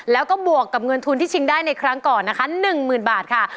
แล้วก็บวกกับเงินทุนที่ชิงได้ในครั้งก่อนนะคะ๑๐๐๐บาทค่ะ